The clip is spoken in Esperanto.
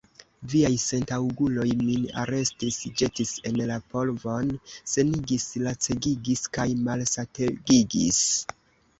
Viaj sentaŭguloj min arestis, ĵetis en la polvon, senigis, lacegigis kaj malsategigis.